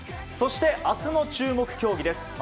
そして明日の注目競技です。